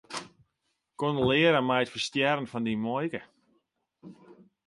Kondolearre mei it ferstjerren fan dyn muoike.